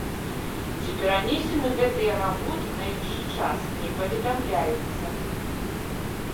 Ці перанесены гэтыя работы на іншы час, не паведамляецца.